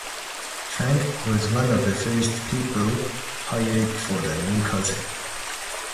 Trunk was one of the first people hired for the new concept.